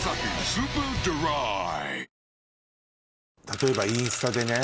例えばインスタでね